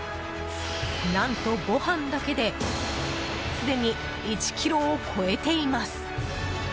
何と、ご飯だけですでに１ｋｇを超えています！